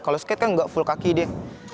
kalau skate kan nggak full kaki deh